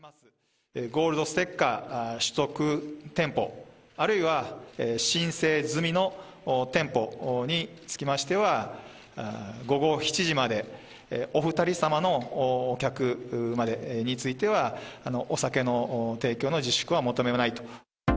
ゴールドステッカー取得店舗、あるいは申請済みの店舗につきましては、午後７時まで、お２人様の客までについては、お酒の提供の自粛は求めないと。